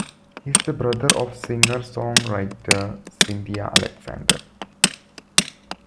He is the brother of singer-songwriter Cynthia Alexander.